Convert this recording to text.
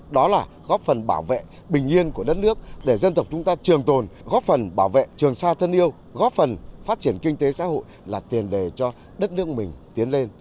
đó là góp phần bảo vệ bình yên của đất nước để dân tộc chúng ta trường tồn góp phần bảo vệ trường sa thân yêu góp phần phát triển kinh tế xã hội là tiền đề cho đất nước mình tiến lên